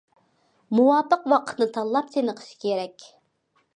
مۇۋاپىق ۋاقىتنى تاللاپ چېنىقىش كېرەك.